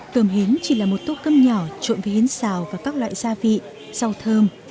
cơm hến chỉ là một tô cơm nhỏ trộn với hến xào và các loại gia vị rau thơm